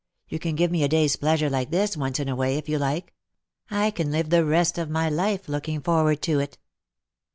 You can give me a day's pleasure like this, once in a way, if you like. I can live the rest of my life looking forward to it."